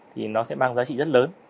thì nó sẽ mang giá trị rất lớn